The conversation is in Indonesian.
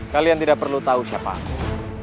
kalian tidak perlu tahu siapa aku